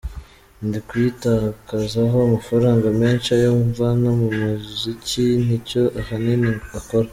Ndi kuyitakazaho amafaranga menshi, ayo mvana mu muziki nicyo ahanini akora.